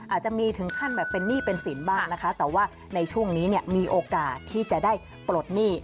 อาจจะมีถึงขั้นแบบเป็นหนี้เป็นสินบ้างนะคะแต่ว่าในช่วงนี้เนี่ยมีโอกาสที่จะได้ปลดหนี้